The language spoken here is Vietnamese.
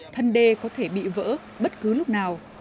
thân đê có thể bị vỡ bất cứ lúc nào